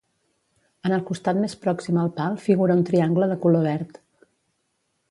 En el costat més pròxim al pal figura un triangle de color verd.